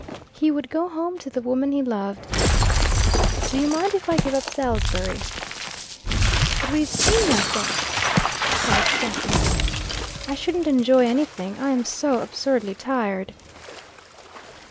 He would go home to the woman he loved. "Do you mind if I give up Salisbury?" "But we've seen nothing!" cried Stephen. "I shouldn't enjoy anything, I am so absurdly tired."